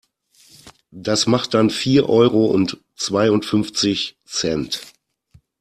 Das macht dann vier Euro und zweiundfünfzig Cent.